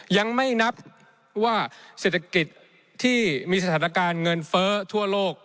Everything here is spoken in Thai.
ยังไม่นับว่าเศรษฐกิจที่มีสถานการณ์เงินเฟ้อทั่วโลก